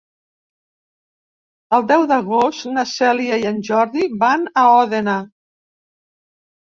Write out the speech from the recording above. El deu d'agost na Cèlia i en Jordi van a Òdena.